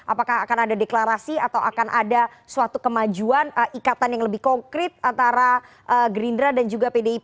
apakah akan ada deklarasi atau akan ada suatu kemajuan ikatan yang lebih konkret antara gerindra dan juga pdip